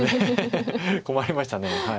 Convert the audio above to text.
困りました。